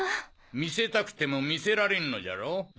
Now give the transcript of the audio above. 見せたくても見せられんのじゃろ？